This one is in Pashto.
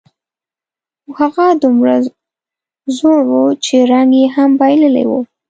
خو هغه دومره زوړ و، چې رنګ یې هم بایللی و.